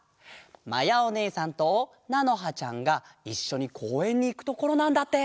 まやおねえさんとなのはちゃんがいっしょにこうえんにいくところなんだって！